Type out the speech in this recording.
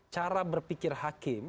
cara berpikir hakim